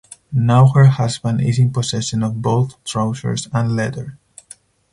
Now her husband is in possession of both trousers and letter.